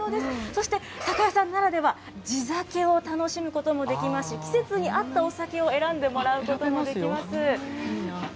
そして酒屋さんならでは、地酒を楽しむこともできますし、また季節に合ったお酒を選んでもらうこともできます。